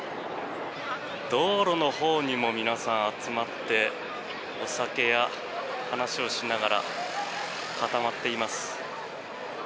道路のほうにも皆さん、集まってお酒や話をしながら固まっています。